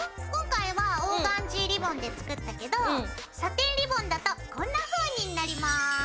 今回はオーガンジーリボンで作ったけどサテンリボンだとこんなふうになります。